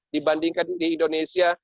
dibandingkan di indonesia